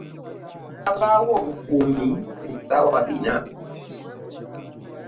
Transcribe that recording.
Wabaawo obukuumi essaawa bina.